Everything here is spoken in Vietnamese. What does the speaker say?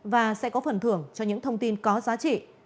và sẽ có phần thưởng cho những thông tin có giá trị